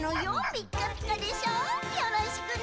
ピッカピカでしょよろしくね！